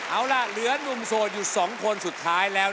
เอาละเหลือนหลวนสูดอยู่สองคนสุดท้ายแล้ว